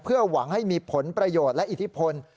เพื่อหวังให้มีผลประโยชน์และอิทธิพล